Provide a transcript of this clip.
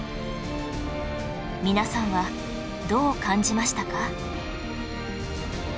皆さんはどう感じましたか？